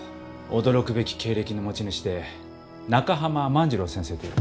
驚くべき経歴の持ち主で中濱万次郎先生という。